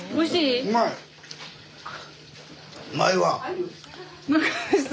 うまいわ！